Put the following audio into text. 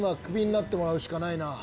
なってもらうしかないな。